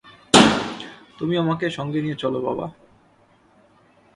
তুমি আমাকে তোমার সঙ্গে নিয়ে চলো বাবা!